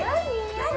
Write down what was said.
何？